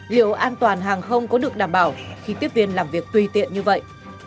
liệu an toàn hàng không có được đảm bảo khi tiếp viên làm việc tùy tiện như vậy